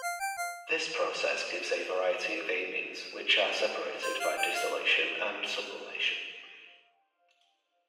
This process gives a variety of amines, which are separated by distillation and sublimation.